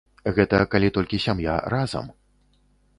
Гэта калі толькі сям'я разам.